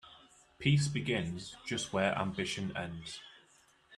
Peace begins just where ambition ends.